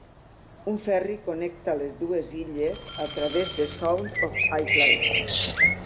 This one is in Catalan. Un ferri connecta les dues illes a través de Sound of Islay.